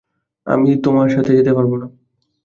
আমি তোমার সাথে যেতে পারব না।